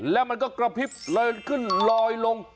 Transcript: แล้วมันก็กระพริบลอยขึ้นลอยลง